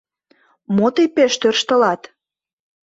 Мо тый пеш тӧрштылат!